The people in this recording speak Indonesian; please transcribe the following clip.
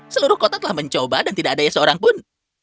seluruh kota telah mencoba dan tidak adanya seorang pun